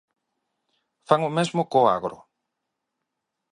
Fan o mesmo co agro.